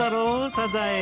サザエ。